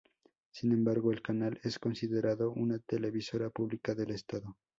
Sin embargo, el canal es considerado una televisora pública del estado.